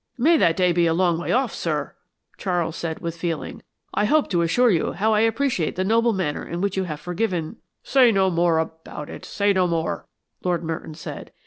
"May that day be a long way off, sir," Charles said, with feeling. "I hope to assure you how I appreciate the noble manner in which you have forgiven " "Say no more about it, say no more," Lord Merton said.